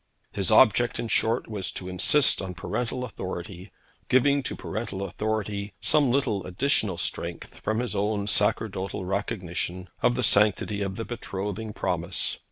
His object, in short, was to insist on parental authority, giving to parental authority some little additional strength from his own sacerdotal recognition of the sanctity of the betrothing promise.